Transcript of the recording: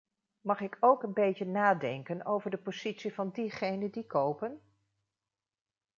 Mag ik ook een beetje nadenken over de positie van diegenen die kopen?